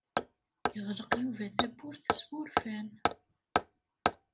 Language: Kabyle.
Yeɣleq Yuba tawwurt s wurfan.